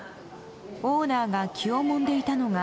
オーナーが気をもんでいたのが。